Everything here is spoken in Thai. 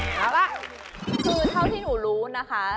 คือเท่าที่หนูรู้นะคะ